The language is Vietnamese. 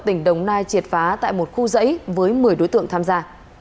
tỉnh đồng nai triệt phá tại một khu dãy với một mươi đối tượng tham gia